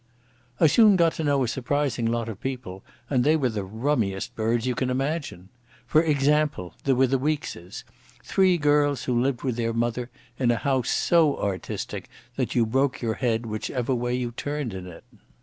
I soon got to know a surprising lot of people, and they were the rummiest birds you can imagine. For example, there were the Weekeses, three girls who lived with their mother in a house so artistic that you broke your head whichever way you turned in it.